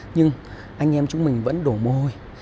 nhưng anh em chúng mình vẫn đổ mồ hôi